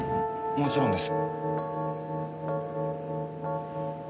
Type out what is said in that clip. もちろんです。